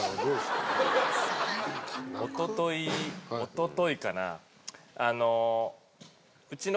おとといおとといかなうちの。